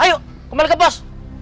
ayo kembali ke bos